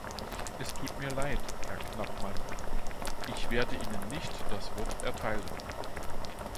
Es tut mir Leid, Herr Knapman, ich werde Ihnen nicht das Wort erteilen.